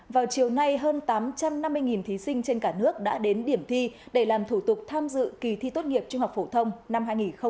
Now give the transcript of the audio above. vào chiều nay hơn tám trăm năm mươi thí sinh trên cả nước đã đến điểm thi để làm thủ tục tham dự kỳ thi tốt nghiệp trung học phổ thông năm hai nghìn hai mươi